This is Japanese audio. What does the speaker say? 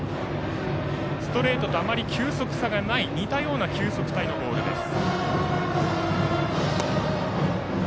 ストレートとあまり球速差がない似たような球速帯のボールです。